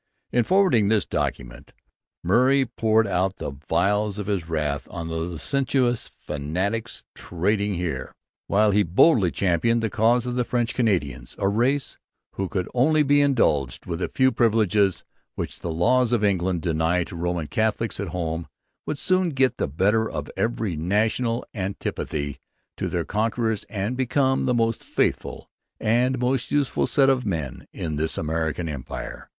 In forwarding this document Murray poured out the vials of his wrath on 'the Licentious Fanaticks Trading here,' while he boldly championed the cause of the French Canadians, 'a Race, who, could they be indulged with a few priveledges which the Laws of England deny to Roman Catholicks at home, would soon get the better of every National Antipathy to their Conquerors and become the most faithful and most useful set of Men in this American Empire.'